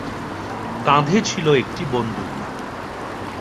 কাঁধে ছিল একটি বন্দুক।